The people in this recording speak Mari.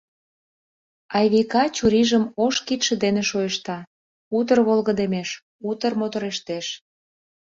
— Айвика чурийжым ош кидше дене шойышта — утыр волгыдемеш, утыр моторештеш.